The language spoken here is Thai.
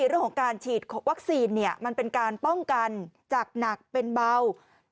เรื่องของการฉีดวัคซีนมันเป็นการป้องกันจากหนักเป็นเบา